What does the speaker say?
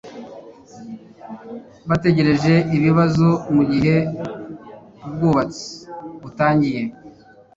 bategereje ibibazo mugihe ubwubatsi butangiye